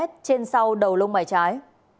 trên sau đầu lông bài trái